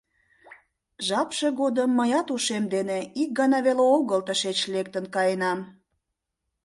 — Жапше годым мыят ушем дене ик гана веле огыл тышеч лектын каенам.